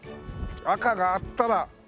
赤があったら青。